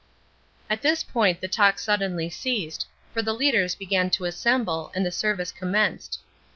At this point the talk suddenly ceased, for the leaders began to assemble, and the service commenced.